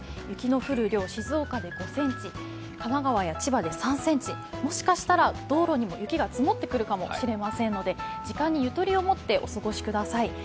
雪の降る量、静岡で５ｃｍ、神奈川や千葉で３ｃｍ、もしかしたら道路にも雪が積もってくるかもしれませんので時間にゆとりを持ってお過ごしください。